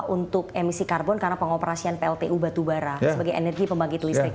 untuk emisi karbon karena pengoperasian pltu batubara sebagai energi pembangkit listrik